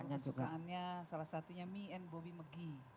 lalu kesuksesannya salah satunya me and bobby mcgee